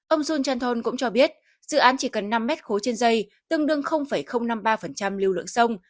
ông sun chanthong cũng cho biết dự án chỉ cần năm mét khối trên dây tương đương năm mươi ba lưu lượng sông